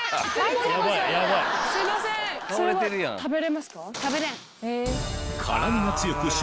すいませんそれは食べれますか？